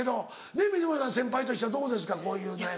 ねっ水森さん先輩としてはどうですかこういう悩み。